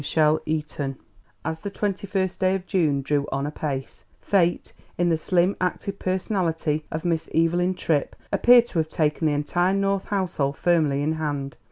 CHAPTER V As the twenty first day of June drew on apace, Fate, in the slim, active personality of Miss Evelyn Tripp, appeared to have taken the entire North household firmly in hand.